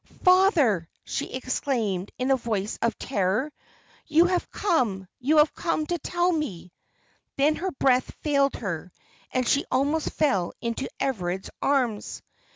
"Father," she exclaimed, in a voice of terror, "you have come you have come to tell me " Then her breath failed her, and she almost fell into Everard's arms.